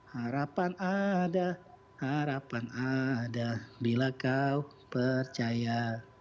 harapan ada harapan ada bila kau percaya